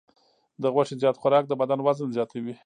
د غوښې زیات خوراک د بدن وزن زیاتوي.